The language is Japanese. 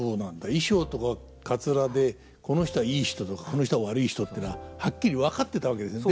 衣装とかかつらでこの人はいい人この人は悪い人ってのははっきり分かってたわけですね。